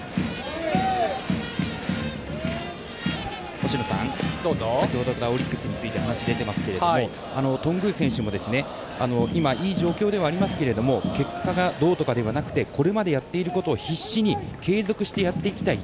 星野さん、先程からオリックスについて話が出ていますけど頓宮選手も今、いい状況ではありますが結果がどうとかではなくてこれまでやっていることを必死に継続してやっていきたい